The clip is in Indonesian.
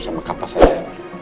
sama kapas aja